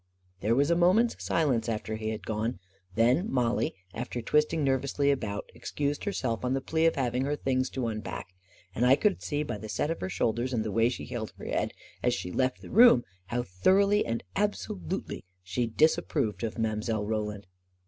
There was a moment's silence after he had gone. Then Mollie, after twisting nervously about, excused A KING IN BABYLON 61 herself on the plea of haying her things to unpack; and I could see by the set of her shoulders and the way she held her head as she left the room how thor oughly and absolutely she disapproved of Mile. Roland.